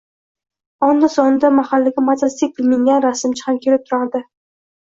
Onda-sonda mahallaga mototsikl mingan rasmchi ham kelib turardi.